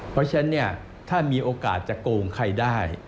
เพราะฉะนั้นเนี่ยถ้ามีโอกาสจะโกงใครได้